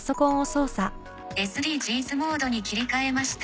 「ＳＤＧｓモードに切り替えました」